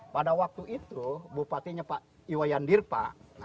pada waktu itu bupatinya pak iwayandir pak